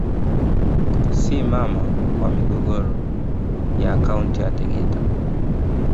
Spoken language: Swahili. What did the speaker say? Si mama wa migogoro ya akaunti ya Tegeta